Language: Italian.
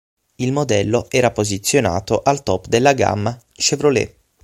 Il modello era posizionato al top della gamma Chevrolet.